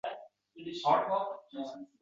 Maktab hayotiga doir biror voqeani so‘zlab beradi.